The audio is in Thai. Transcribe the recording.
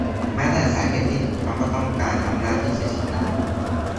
แม้แต่สาเหตุที่ถูกต้องก็ต้องการอำนาจที่จะชนะ